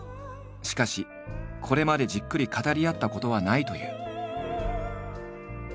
しかしこれまでじっくり語り合ったことはないという。